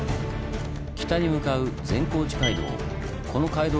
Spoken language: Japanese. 北に向かう善光寺街道。